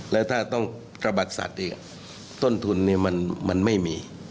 แล้วถ้าต้องกระบัดสัตว์อีกต้นทุนมันไม่มี